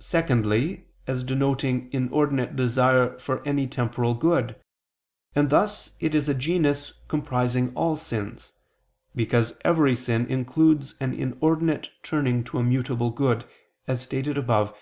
Secondly, as denoting inordinate desire for any temporal good: and thus it is a genus comprising all sins, because every sin includes an inordinate turning to a mutable good, as stated above (Q.